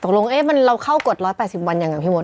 ตกลงเราเข้ากฎ๑๘๐วันยังไงพี่มด